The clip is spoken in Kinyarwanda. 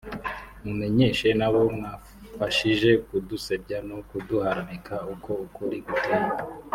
c) Mumenyeshe n’abo mwafashije kudusebya no kuduharabika uko ukuri guteye